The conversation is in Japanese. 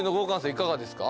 いかがですか？